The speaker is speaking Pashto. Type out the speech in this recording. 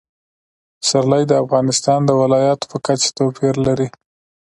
پسرلی د افغانستان د ولایاتو په کچه توپیر لري.